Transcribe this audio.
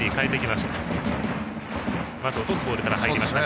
まず落とすボールから入りました。